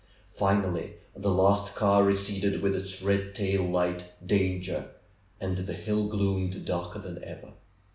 Finally the last car receded with its red tail light Danger and the hill gloomed darker than ever.